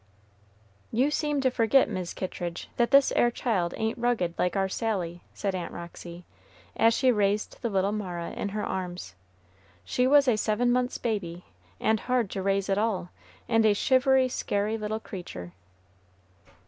"You seem to forget, Mis' Kittridge, that this 'ere child ain't rugged like our Sally," said Aunt Roxy, as she raised the little Mara in her arms. "She was a seven months' baby, and hard to raise at all, and a shivery, scary little creature."